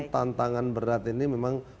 tantangan berat ini memang